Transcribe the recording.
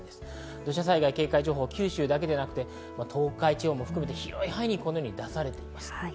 土砂災害警戒情報、九州だけではなく東海地方など広い範囲に出されています。